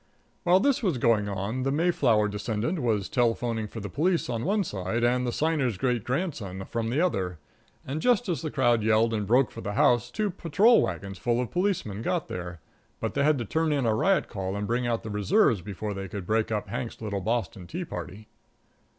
While this was going on, the Mayflower descendant was telephoning for the police from one side and the Signer's great grandson from the other, and just as the crowd yelled and broke for the house two patrol wagons full of policemen got there. But they had to turn in a riot call and bring out the reserves before they could break up Hank's little Boston tea party.